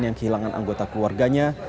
yang kehilangan anggota keluarganya